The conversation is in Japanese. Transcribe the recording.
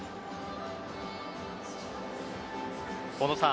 小野さん。